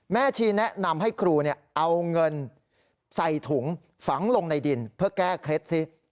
ชีแนะนำให้ครูเอาเงินใส่ถุงฝังลงในดินเพื่อแก้เคล็ดซิ